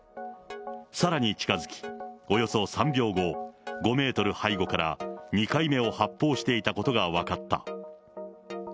さらに近づき、およそ３秒後、５メートル背後から２回目を発砲していたことが分かった。